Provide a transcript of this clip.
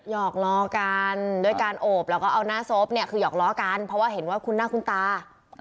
หอกล้อกันด้วยการโอบแล้วก็เอาหน้าศพเนี่ยคือหอกล้อกันเพราะว่าเห็นว่าคุณหน้าคุณตา